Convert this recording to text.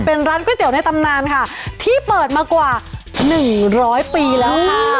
เป็นร้านก๋วยเตี๋ยวในตำนานค่ะที่เปิดมากว่าหนึ่งร้อยปีแล้วค่ะ